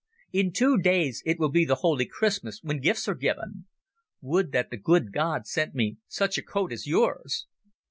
In two days it will be the holy Christmas, when gifts are given. Would that the good God sent me such a coat as yours!"